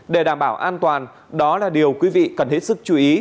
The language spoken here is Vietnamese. để đảm bảo an toàn đó là điều quý vị cần hiểu